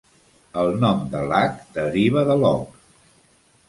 El nom de 'Lack' deriva de 'Lock'.